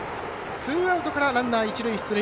ツーアウトからランナー、一塁出塁。